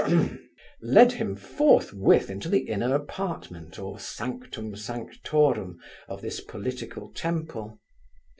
led him forthwith into the inner apartment, or Sanctum Sanctorum of this political temple.